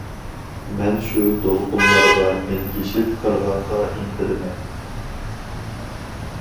مەن شۇ دولقۇنلارغا مىنگىشىپ قىرغاققا ئىنتىلىمەن.